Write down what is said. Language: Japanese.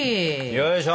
よいしょ。